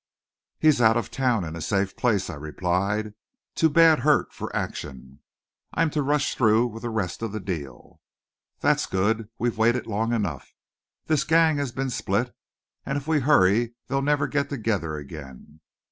"He's out of town, in a safe place," I replied. "Too bad hurt for action. I'm to rush through with the rest of the deal." "That's good. We've waited long enough. This gang has been split, an' if we hurry they'll never get together again.